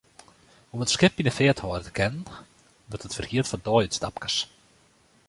Om it skip yn 'e feart hâlde te kinnen, wurdt it ferhierd foar deiútstapkes.